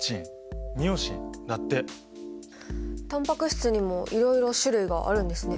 タンパク質にもいろいろ種類があるんですね。